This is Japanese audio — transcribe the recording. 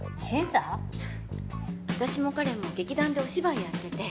私も彼も劇団でお芝居やってて。